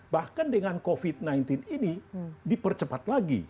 bahkan dengan covid sembilan belas ini dipercepat lagi